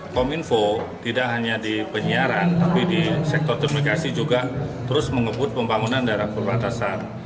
kominfo tidak hanya di penyiaran tapi di sektor komunikasi juga terus mengebut pembangunan daerah perbatasan